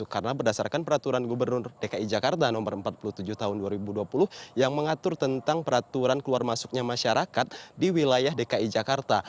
karena berdasarkan peraturan gubernur dki jakarta nomor empat puluh tujuh tahun dua ribu dua puluh yang mengatur tentang peraturan keluar masuknya masyarakat di wilayah dki jakarta